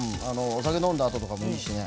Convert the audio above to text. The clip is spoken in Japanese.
お酒飲んだ後とかもいいしね。